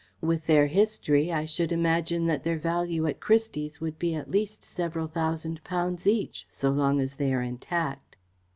With their history I should imagine that their value at Christie's would be at least several thousand pounds each, so long as they are intact."